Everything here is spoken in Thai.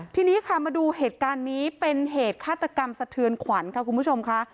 ทีนี้ค่ะมาดูเหตุการณ์นี้เป็นเหตุฆาตกรรมสะเทือนขวัญค่ะคุณผู้ชมค่ะ